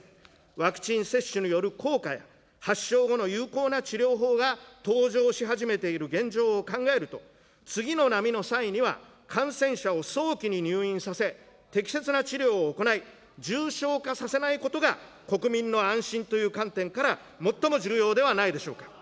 ワクチン接種による効果や、発症後の有効な治療法が登場し始めている現状を考えると、次の波の際には感染者を早期に入院させ、適切な治療を行い、重症化させないことが国民の安心という観点から、最も重要ではないでしょうか。